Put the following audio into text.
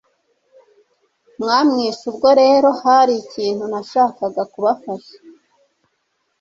mwamwishe ubwo rero hari ikintu nashakaga kubafasha